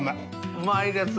うまいですね。